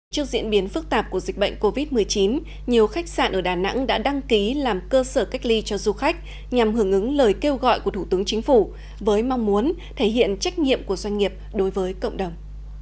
trước diễn biến phức tạp của dịch bệnh covid một mươi chín nhiều khách sạn ở đà nẵng đã đăng ký làm cơ sở cách ly cho du khách nhằm hưởng ứng lời kêu gọi của thủ tướng chính phủ với mong muốn thể hiện trách nhiệm của doanh nghiệp đối với cộng đồng